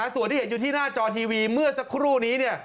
ส่วนที่เห็นอยู่ที่หน้าจอทีวีเมื่อสักครู่นี้